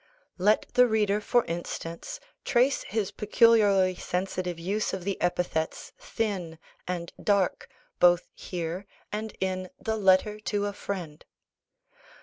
Let the reader, for instance, trace his peculiarly sensitive use of the epithets thin and dark, both here and in the Letter to a Friend.